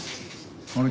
あれ？